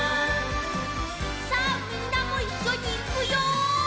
さあみんなもいっしょにいくよ！